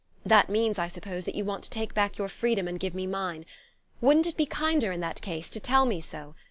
That means, I suppose, that you want to take back your freedom and give me mine. Wouldn't it be kinder, in that case, to tell me so?